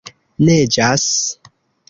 Neĝas.